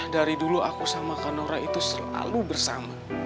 dari dulu aku sama kak naura itu selalu bersama